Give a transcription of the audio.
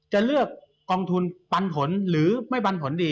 จะเลือกกองทุนปันผลหรือไม่ปันผลดี